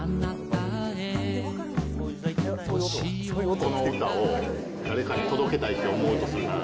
この歌を誰かに届けたいって思うとするなら？